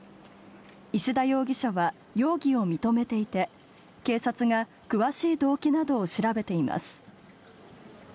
石田容疑者は容疑を認めていて、警察が詳しい動機などを調べています。